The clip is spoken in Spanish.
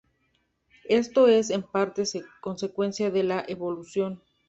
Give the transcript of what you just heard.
Esto es, en parte, consecuencia de la evolución.